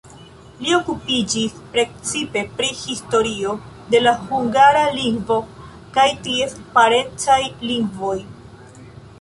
Li okupiĝis precipe pri historio de la hungara lingvo kaj ties parencaj lingvoj.